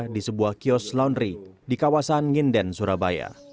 di sebuah kios laundry di kawasan nginden surabaya